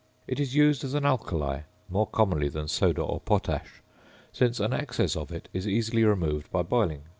It is used as an alkali (more commonly than soda or potash), since an excess of it is easily removed by boiling.